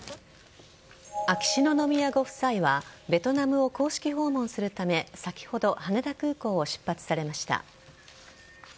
秋篠宮ご夫妻はベトナムを公式訪問するため先ほど羽田空港を出発されました。